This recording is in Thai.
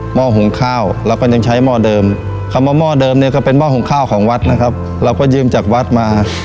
ห้อหุงข้าวเราก็ยังใช้หม้อเดิมคำว่าหม้อเดิมเนี่ยก็เป็นหม้อหุงข้าวของวัดนะครับเราก็ยืมจากวัดมา